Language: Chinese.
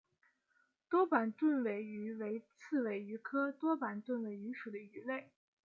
多板盾尾鱼为刺尾鱼科多板盾尾鱼属的鱼类。